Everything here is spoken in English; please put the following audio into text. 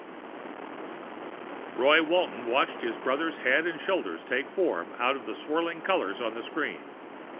III Roy Walton watched his brother's head and shoulders take form out of the swirl of colors on the screen.